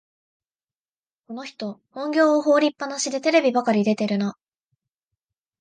この人、本業を放りっぱなしでテレビばかり出てるな